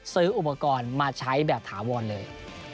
ซื้ออุปกรณ์มาใช้แบบถาวรเลย